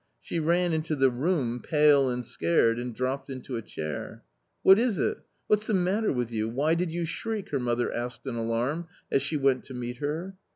She ran into the room pale and scared, and dropped into a chair. " What is it ? What's the matter with you ? Why did you shriek ?" her mother asked in alarm, as she went to meet her.